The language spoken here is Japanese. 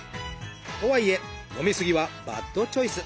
とはいえ飲み過ぎはバッドチョイス！